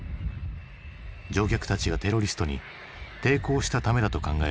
乗客たちがテロリストに抵抗したためだと考えられている。